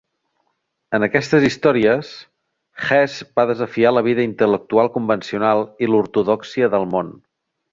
En aquestes històries, Hesse va desafiar la vida intel·lectual convencional i l'ortodòxia del món.